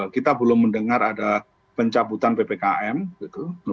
kita belum mendengar ada pencabutan ppkm gitu